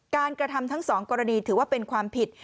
กระทำทั้งสองกรณีถือว่าเป็นความผิด